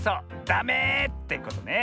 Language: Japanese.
「ダメ！」ってことね。